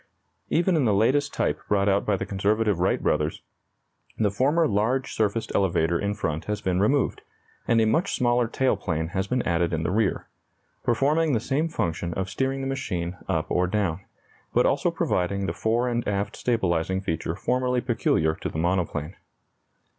Even in the latest type brought out by the conservative Wright brothers, the former large surfaced elevator in front has been removed, and a much smaller tail plane has been added in the rear, performing the same function of steering the machine up or down, but also providing the fore and aft stabilizing feature formerly peculiar to the monoplane.